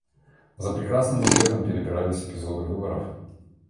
За прекрасным обедом перебирались эпизоды выборов.